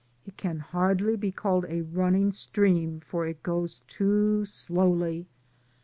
It can hardly be called a running stream, for it goes too slowly.